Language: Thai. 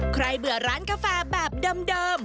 เบื่อร้านกาแฟแบบเดิม